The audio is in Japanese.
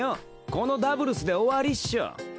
このダブルスで終わりっしょ。